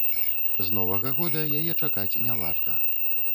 З новага года яе чакаць не варта.